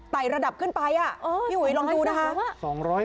ระดับขึ้นไปพี่อุ๋ยลองดูนะคะ